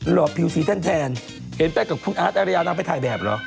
หอบผิวสีแทนเห็นไปกับคุณอาร์รยานางไปถ่ายแบบเหรอ